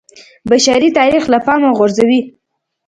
بشري تاریخ له پامه غورځوي